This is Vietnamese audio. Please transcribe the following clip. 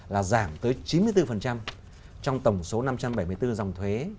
là giảm tới chín mươi bốn trong tổng số năm trăm bảy mươi bốn dòng thuế